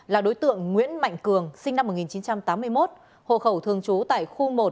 là đối tượng nguyễn mạnh cường sinh năm một nghìn chín trăm tám mươi một hộ khẩu thường trú tại khu một